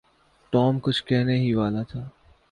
Tom کچھ کہنے ہی والا تھا۔